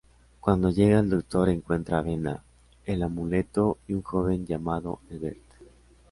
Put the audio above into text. Cuando llega el Doctor encuentra a Vena, el amuleto y un joven llamado Herbert.